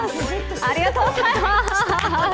ありがとうございます。